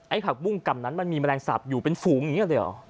ผักบุ้งกำนั้นมันมีแมลงสาปอยู่เป็นฝูงอย่างนี้เลยเหรอ